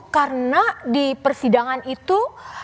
karena di persidangan itu